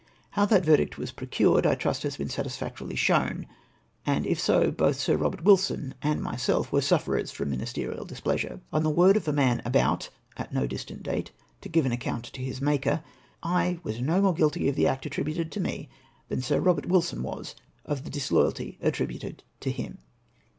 How that verdict was procured, I trust has been satisfac torily shown, and if so, both Sir Eobert Wilson and myself were sufferers from muiisterial displeasure. On the word of a man about (at no distant date) to give an account to his Maker, I was no more guilty of the act attributed to me, than Sir Eobert Wilson was of the disloyalty attributed to him.